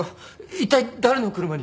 一体誰の車に？